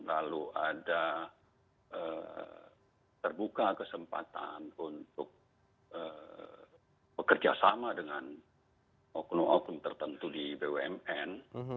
lalu ada terbuka kesempatan untuk bekerjasama dengan okun okun tertentu di bumn